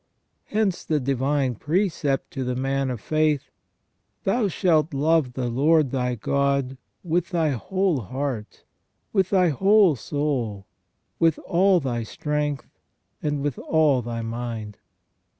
Hence the divine precept to the man of faith :" Thou shalt love the Lord thy God with thy whole heart, with thy whole soul, with all thy strength, and with all thy mind